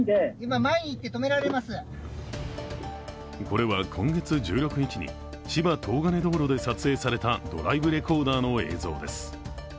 これは今月１６日に、千葉東金道路で撮影されたドライブレコーダーの映像です。